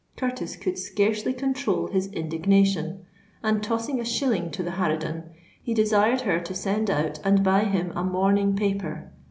Curtis could scarcely control his indignation; and, tossing a shilling to the harridan, he desired her to send out and buy him a morning paper.